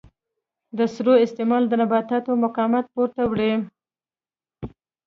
د سرو استعمال د نباتاتو مقاومت پورته وړي.